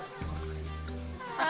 あ。